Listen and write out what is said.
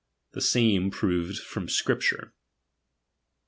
The same proved from Scripture.